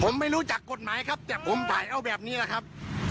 ผมไม่รู้จักกฎหมายครับแต่ผมถ่ายเอาแบบนี้แหละครับ